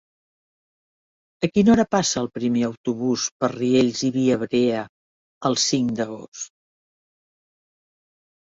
A quina hora passa el primer autobús per Riells i Viabrea el cinc d'agost?